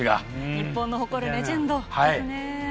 日本の誇るレジェンドですね。